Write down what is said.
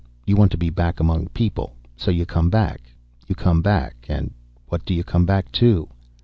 You want to be back among people. So you come back. You come back. And what do you come back to?"